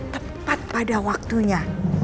tepat pada waktunya